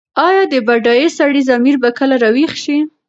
ایا د بډایه سړي ضمیر به کله راویښ شي؟